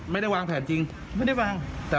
ไม่ได้วางแผนจริงไม่ได้วาง